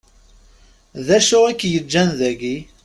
D acu i k-yeǧǧan dagi?